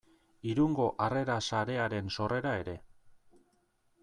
Irungo Harrera Sarearen sorrera ere.